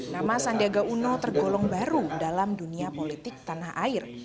nama sandiaga uno tergolong baru dalam dunia politik tanah air